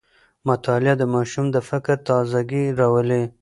مطالعه د ماشوم د فکر تازه ګي راولي.